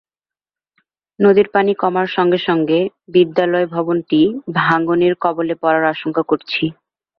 নদীর পানি কমার সঙ্গে সঙ্গে বিদ্যালয় ভবনটি ভাঙনের কবলে পড়ার আশঙ্কা করছি।